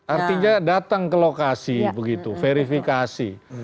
artinya datang ke lokasi begitu verifikasi